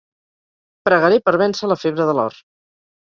Pregaré per vèncer la febre de l'or.